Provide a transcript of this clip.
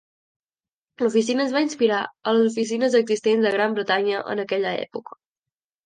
L"oficina es va inspirar a les oficines existents a Gran Bretanya en aquella època.